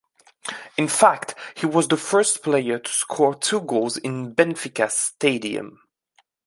In fact, he was the first player to score two goals in Benfica's stadium.